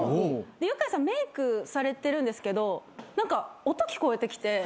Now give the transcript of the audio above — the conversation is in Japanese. でユカイさんメークされてるんですけど何か音聞こえてきて。